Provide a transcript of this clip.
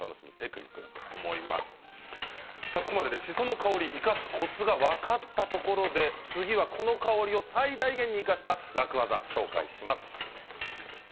ここまでしその香りを生かすコツが分かったところでこの香りを最大限に生かした楽ワザをご紹介します。